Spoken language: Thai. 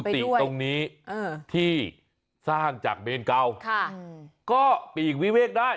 ติตรงนี้ที่สร้างจากเมนเก่าก็ปีกวิเวกได้